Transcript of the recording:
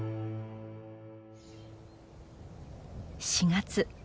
４月。